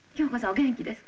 お元気ですか？